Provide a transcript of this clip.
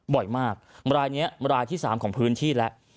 บ่อยมากรายนี้รายที่๓ของพื้นที่แล้ว